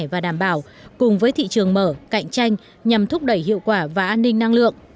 và đảm bảo cùng với thị trường mở cạnh tranh nhằm thúc đẩy hiệu quả và an ninh năng lượng